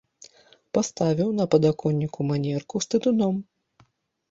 Паставіў на падаконніку манерку з тытуном.